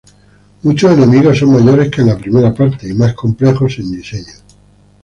Muchos enemigos son mayores que en la primera parte, y más complejos en diseño.